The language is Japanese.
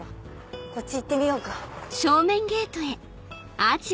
こっち行ってみようか。